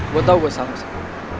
gue tau gue sanggup sam